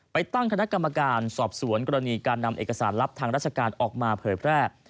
ไปตั้งคณะกรรมการสอบสวนกรณีการนำเอกสารลับทางราชการออกมาเผยแพร่